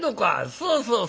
そうそうそう。